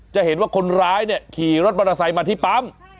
จะเห็นว่าคนร้ายเนี่ยขี่รถบรรทักษัยมาที่ปั๊ม